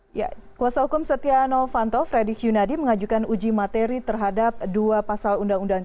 hai ya kuasa hukum setia novanto fredy cunadi mengajukan uji materi terhadap dua pasal undang undang